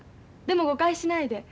でも誤解しないで。